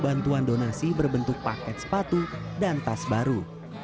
bantuan donasi berbentuk paket sepatu dan tas baru